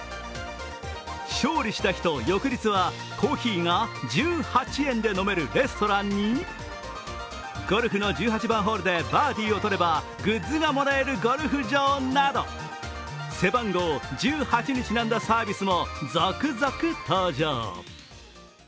勝利した日と翌日はコーヒーが１８円で飲めるレストランにゴルフの１８番ホールでバーディーを取ればグッズがもらえるゴルフ場など、背番号１８にちなんだサービスも続々登場。